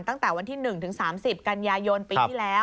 ตั้งแต่วันที่๑ถึง๓๐กันยายนปีที่แล้ว